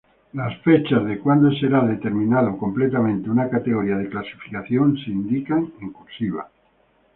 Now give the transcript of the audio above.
Fechas cuando será determinado completamente una categoría de clasificación se indican en cursiva.